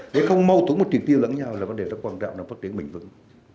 để không mâu thuẫn một triệt tiêu lẫn nhau là vấn đề rất quan trọng trong phát triển bình vững